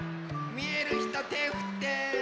みえるひとてふって。